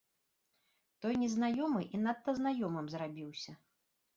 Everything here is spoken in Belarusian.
Той незнаёмы і надта знаёмым зрабіўся.